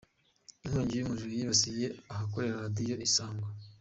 Inkongi y’umuriro yibasiye ahakorera Radiyo Isango